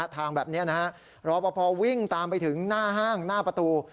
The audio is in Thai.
ทางแบบนี้นะฮะรอปภวิ่งตามไปถึงหน้าห้างหน้าประตู